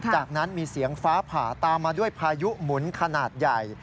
จากนั้นมีเสียงฟ้าผ่าตามมาด้วยพายุหมุนขนาดใหญ่